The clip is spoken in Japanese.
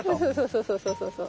そうそうそうそうそう。